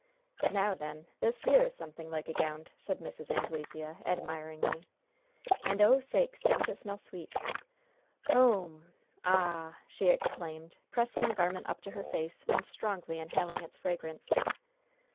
"Now, then, this here is something like a gownd," said Mrs. Anglesea, admiringly. "And, oh, sakes! don't it smell sweet! Hoome! Ah h h!" she exclaimed, pressing the garment up to her face and strongly inhaling its fragrance.